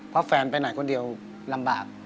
เพราะแฟนไปไหนคนเดียวลำบาก